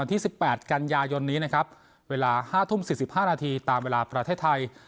ที่สิบแปดกันยายนนี้นะครับเวลาห้าทุ่มสิบสิบห้านาทีตามเวลาประเทศไทย